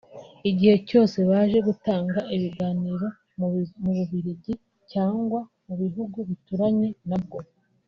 igihe cyose baje gutanga ibiganiro mu Bubiligi cyangwa mu bihugu bituranye na bwo